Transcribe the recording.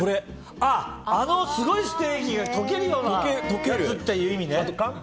あのすごいステーキが溶けるようなやつっていう意味ね。